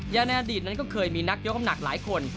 ในอดีตนั้นก็เคยมีนักยกน้ำหนักหลายคน